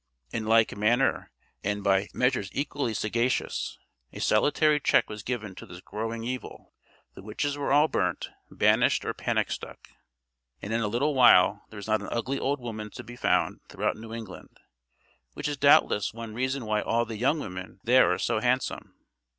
In like manner, and by measures equally sagacious, a salutary check was given to this growing evil. The witches were all burnt, banished, or panic stuck, and in a little while there was not an ugly old woman to be found throughout New England; which is doubtless one reason why all the young women there are so handsome.